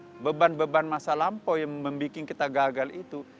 karena beban beban masa lampau yang membuat kita gagal itu